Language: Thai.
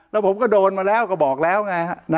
แล้วผมก็โดนมาแล้วก็บอกแล้วไงฮะ